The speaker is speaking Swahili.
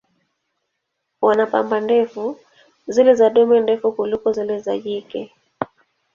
Wana pamba ndefu, zile za dume ndefu kuliko zile za jike.